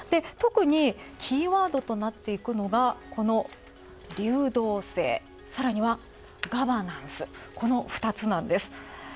特にキーワードとなっていくのがこの流動性、さらにはガバナンス、この２つなんです。